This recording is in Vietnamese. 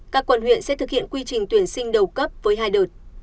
các quận huyện sẽ thực hiện quy trình tuyển sinh đầu cấp với hai đợt